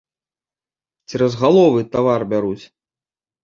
Цераз галовы тавар бяруць.